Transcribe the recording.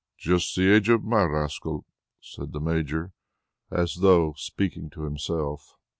"Just the age of my rascal," said the Major, as though speaking to himself.